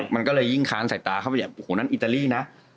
มันก็เลยยิ่งค้านสายตาเข้าไปใหญ่โอ้โหนั่นอิตาลีนะ